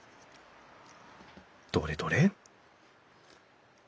どれどれ？